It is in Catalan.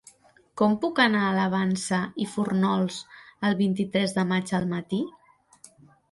Com puc anar a la Vansa i Fórnols el vint-i-tres de maig al matí?